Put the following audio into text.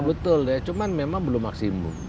betul ya cuman memang belum maksimum